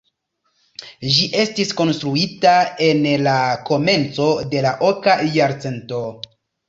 Ĝi estis konstruita en la komenco de la oka jarcento.